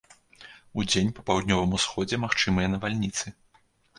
Удзень па паўднёвым усходзе магчымыя навальніцы.